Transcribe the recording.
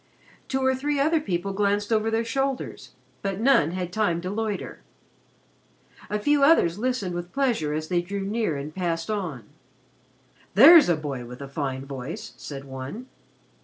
Two or three other people glanced over their shoulders, but had not time to loiter. A few others listened with pleasure as they drew near and passed on. "There's a boy with a fine voice," said one.